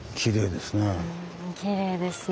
きれいですね。